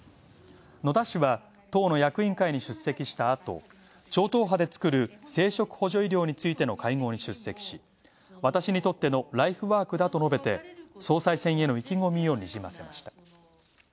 野田氏は、党の役員会に出席した後、超党派でつくる生殖補助医療についての会合に出席し、「私にとってのライフワークだ」と述べて総裁選への意気込みをにじませました。